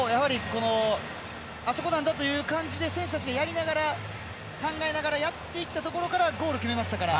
あそこなんだという感じで選手たちが考えながらやっていったところからゴールを決めましたから。